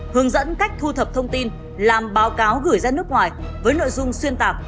hướng dẫn cách thu thập thông tin làm báo cáo gửi ra nước ngoài với nội dung xuyên tạc